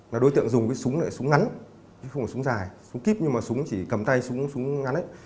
là đối tượng dùng cái súng lại súng ngắn chứ không có súng dài súng kíp nhưng mà súng chỉ cầm tay súng súng ngắn ấy